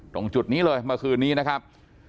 ตรงจุดนี้เลยเมื่อคืนนี้นะครับ